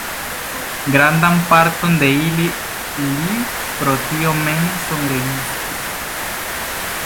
Grandan parton de ili li pro tio mem sonregistris.